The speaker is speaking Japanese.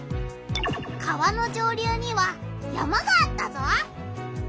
川の上流には山があったぞ！